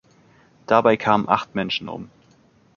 Dabei kamen acht Menschen um.